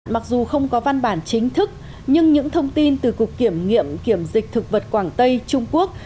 mặc dù không có văn bản chính thức nhưng những thông tin từ cục kiểm nghiệm kiểm dịch thực vật quảng tây trung quốc